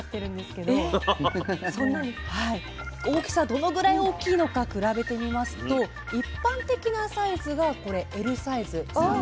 大きさどのぐらい大きいのか比べてみますと一般的なサイズがこれＬサイズ３ｇほどです。